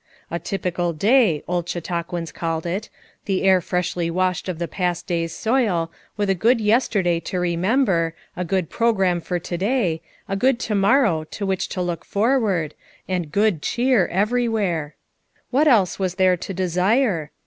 A " typical day," old Chautauquans called it, the air freshly washed of the past day's soil, with a good yesterday to remember, a good program for to day, a good to morrow to which to look forward, and good cheer every where. What else was there to desire?